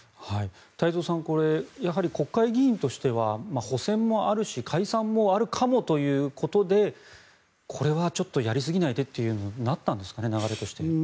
太蔵さん、これはやはり国会議員としては補選もあるし解散もあるかもということでこれはちょっとやりすぎないでとなったんですかね、流れとして。